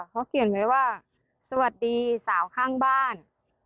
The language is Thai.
เขาเขียนไว้ว่าสวัสดีสาวข้างบ้าน